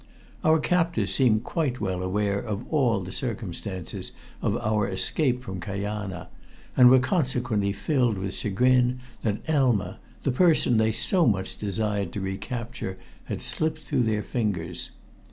Our captors seemed quite well aware of all the circumstances of our escape from Kajana, and were consequently filled with chagrin that Elma, the person they so much desired to recapture, had slipped through their fingers.